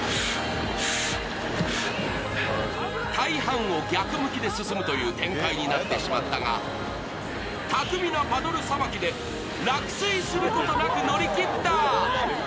大半を逆向きで進むという展開になってしまったが巧みなパドルさばきで落水することなく乗り切った！